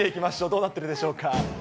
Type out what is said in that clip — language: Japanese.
どうなってるでしょうか。